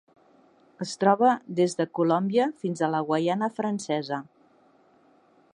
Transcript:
Es troba des de Colòmbia fins a la Guaiana Francesa.